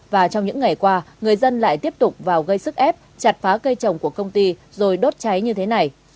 và trong những ngày qua người dân lại tiếp tục vào gây sức ép chặt phá cây trồng của công ty rồi đốt cháy như thế này